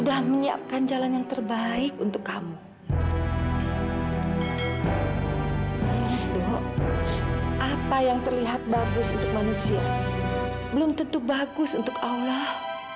duh apa yang terlihat bagus untuk manusia belum tentu bagus untuk allah